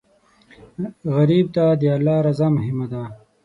غریب ته د الله رضا مهمه ده